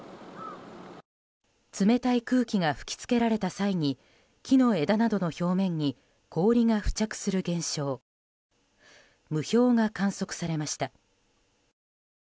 冷たい空気が吹き付けられた際に木の枝などの表面に氷が付着する現象霧氷が観測されました。